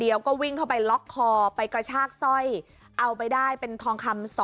แล้วก็วิ่งเข้าไปล็อกคอไปกระชากสร้อยเอาไปได้เป็นทองคำ๒